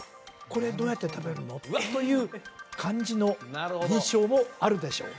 これどうやって食べるの？という感じの印象もあるでしょう